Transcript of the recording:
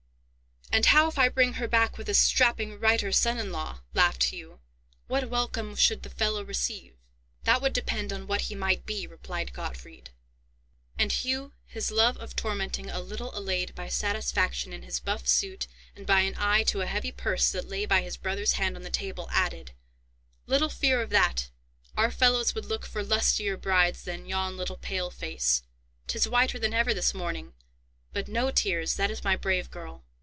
"And how if I bring her back with a strapping reiter son in law?" laughed Hugh. "What welcome should the fellow receive?" "That would depend on what he might be," replied Gottfried; and Hugh, his love of tormenting a little allayed by satisfaction in his buff suit, and by an eye to a heavy purse that lay by his brother's hand on the table, added, "Little fear of that. Our fellows would look for lustier brides than yon little pale face. 'Tis whiter than ever this morning,—but no tears. That is my brave girl."